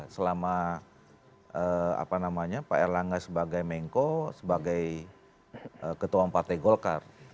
selama pak erlangga sebagai mengko sebagai ketua partai golkar